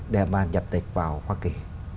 để mà nhập tịch vào hoa kỳ